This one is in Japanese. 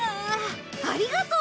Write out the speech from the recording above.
ありがとう！